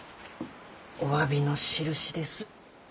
おわびのしるしです。